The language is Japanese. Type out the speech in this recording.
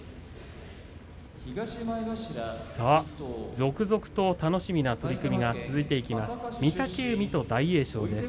続々と楽しみな取組が続いていきます。